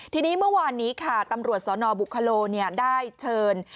ทีนี้เมื่อวานนี้ค่ะตำรวจสนบุคโลได้เชิญ